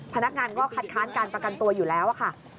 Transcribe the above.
พนักงานก็คัดค้านการประกันตัวอยู่แล้วค่ะ